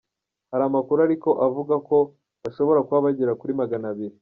Hari amakuru ariko avuga ko bashobora kuba bagera kuri magana abiri.